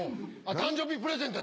誕生日プレゼントや。